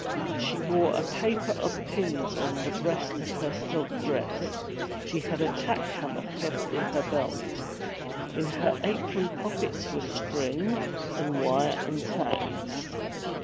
She wore a paper of pins on the breast of her silk dress, she had a tack hammer thrust in her belt. In her apron pockets were string, and wire, and tacks.